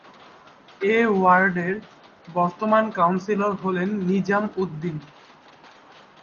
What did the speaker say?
এ ওয়ার্ডের বর্তমান কাউন্সিলর হলেন নিজাম উদ্দিন।